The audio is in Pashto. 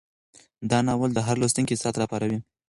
دا ناول د هر لوستونکي احساسات راپاروي.